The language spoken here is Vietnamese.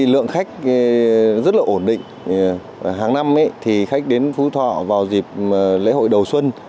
lượng khách rất là ổn định hàng năm khách đến phú thọ vào dịp lễ hội đầu xuân